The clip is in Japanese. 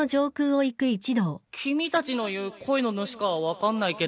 君たちの言う声の主かは分かんないけど